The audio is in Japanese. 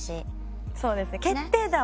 そうですね。